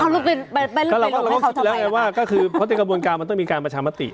ก็เราก็เล่าไงว่าก็คือข้อติดกระบวนการมันต้องมีการประชามาติ